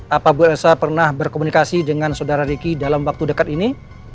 apa bu elsa pernah berkomunikasi dengan saudara riki dalam waktu dekat ini